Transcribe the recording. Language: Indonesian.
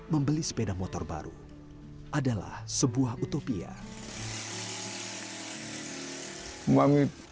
membeli sepeda motor baru adalah sebuah utopia